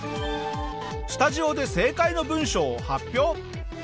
スタジオで正解の文章を発表。